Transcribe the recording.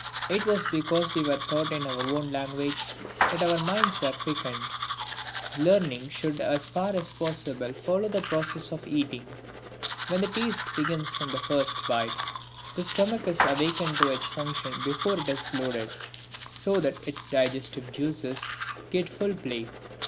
It was because we were taught in our own language that our minds quickened. Learning should as far as possible follow the process of eating. When the taste begins from the first bite, the stomach is awakened to its function before it is loaded, so that its digestive juices get full play.